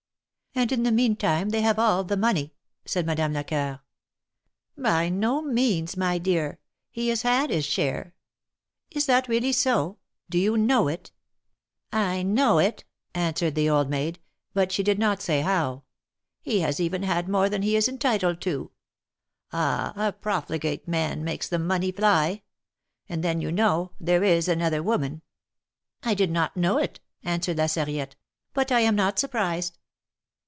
^'And in the meantime they have all the money," said Madame Lecoeur. By no means, my dear ; he has had his share." Is that really so ? Do you know it ?" I know it," answered the old maid ; but she did not say how. He has even had more than he is entitled to. Ah ! a profligate man makes the money fly ! And then, you know, there is another woman —" I did not know it," answered La Sarriette, but I am not surprised."